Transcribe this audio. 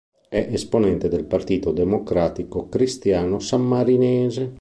È esponente del Partito Democratico Cristiano Sammarinese.